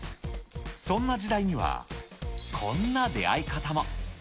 そんな時代には、こんな出会い方も。